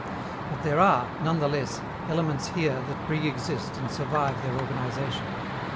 but there are, none the less, elements here that pre exist and survive their organization.